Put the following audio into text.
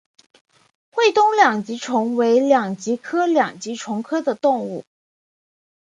会东两极虫为两极科两极虫属的动物。